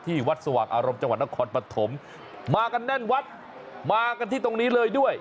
วัดสว่างอารมณ์จังหวัดนครปฐมมากันแน่นวัดมากันที่ตรงนี้เลยด้วย